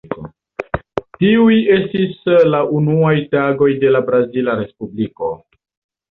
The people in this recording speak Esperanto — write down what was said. Tiuj estis la unuaj tagoj de brazila Respubliko.